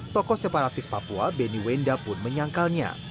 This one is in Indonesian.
tokoh separatis papua beni wenda pun menyangkalnya